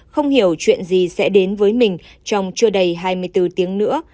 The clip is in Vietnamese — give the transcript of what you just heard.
không hiểu chuyện gì sẽ đến với mình trong chưa đầy hai mươi bốn tiếng nữa